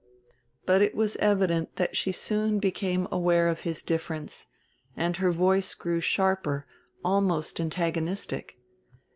But it was evident that she soon became aware of his difference, and her voice grew sharper, almost antagonistic.